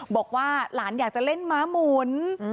บอกว่าหลานอยากจะเล่นม้าหมุน